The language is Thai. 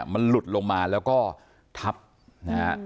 มันหลุดลงมาแล้วก็ทับนะฮะ